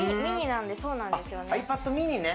ｍｉｎｉなんで、そうなんですよね。